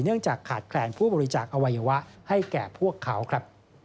เนื่องจากขาดแคลนผู้บริจาคอวัยวะให้แก่พวกเขาครับ